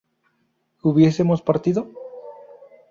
¿hubiésemos partido?